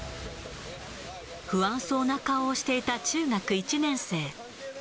不安そうな顔をしていた中学１年生。